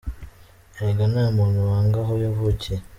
Erega nta muntu wanga aho yavukiye !».